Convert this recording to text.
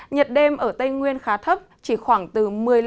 nhiệt đêm ở tây nguyên khá thấp chỉ khoảng từ một mươi năm